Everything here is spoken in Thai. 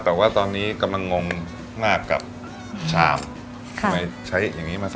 แต่ว่าตอนนี้กำลังงงหน้ากับชามค่ะใช้อย่างงี้มาซะ